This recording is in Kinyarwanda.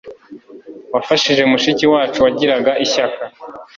wafashije mushiki wacu wagiraga ishyaka